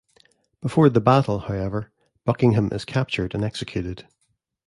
Before the battle, however, Buckingham is captured and executed.